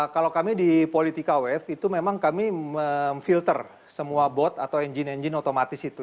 kalau kami di politika wave itu memang kami memfilter semua bot atau engine engine otomatis itu